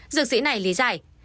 dược sĩ này lý giải